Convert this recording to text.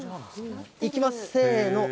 いきます、せーの！